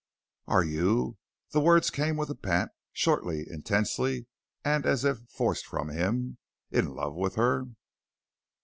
"Are you" the words came with a pant, shortly, intensely, and as if forced from him "in love with her?"